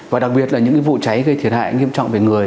và đặc biệt là những vụ cháy gây thiệt hại nghiêm trọng về người